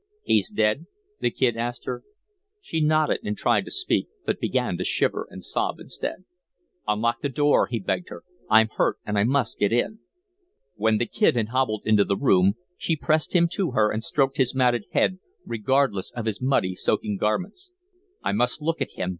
"He's dead?" the Kid asked her. She nodded and tried to speak, but began to shiver and sob instead. "Unlock the door," he begged her. "I'm hurt, and I must get in." When the Kid had hobbled into the room, she pressed him to her and stroked his matted head, regardless of his muddy, soaking garments. "I must look at him.